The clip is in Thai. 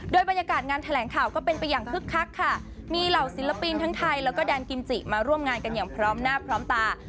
โดยบรรยากาศงานแถลงข่าวก็เป็นไปอย่างคึกคักค่ะมีเหล่าศิลปินทั้งไทยแล้วก็แดนกิมจิมาร่วมงานกันอย่างพร้อมหน้าพร้อมตา